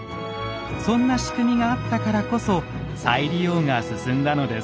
そんな仕組みがあったからこそ再利用が進んだのです。